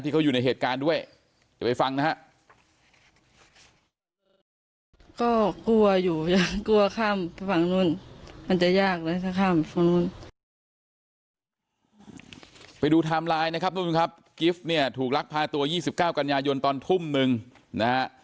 กิฟต์เนี่ยถูกลักพาตัว๒๙กันยายนตอนทุ่มหนึ่งนะฮะ